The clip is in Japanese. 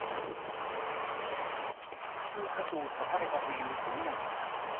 複数箇所を刺されたという冨永さん。